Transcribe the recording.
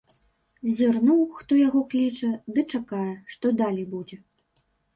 Зірнуў, хто яго кліча, ды чакае, што далей будзе.